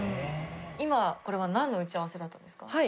今これは何の打ち合わせだったんですか？